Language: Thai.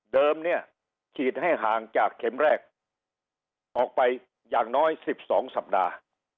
เนี่ยฉีดให้ห่างจากเข็มแรกออกไปอย่างน้อย๑๒สัปดาห์